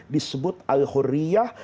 disebut al hurriyah